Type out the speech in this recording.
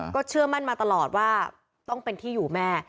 ก็เชื่อมั่นมาตลอดว่าต้องเป็นที่อยู่แม่